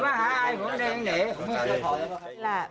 ลูกอันนี้